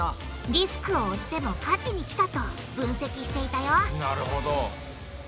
リスクを負っても勝ちにきたと分析していたよなるほど！